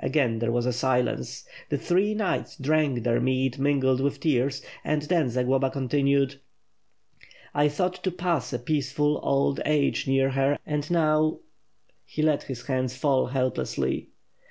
Again there was a silence. The three knights drank their mead mingled with tears, and then Zagloba continued: "I thought to pass a peaceful old age near her and now He let his hands fall helplessly.